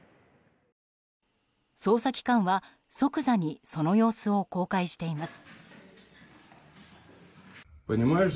捜査機関は即座にその様子を公開しています。